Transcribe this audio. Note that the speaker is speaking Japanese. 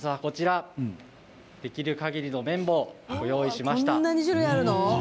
できるかぎりの綿棒を用意しました。